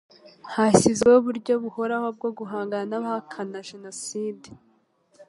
hashyizweho uburyo buhoraho bwo guhangana n abahakana jenoside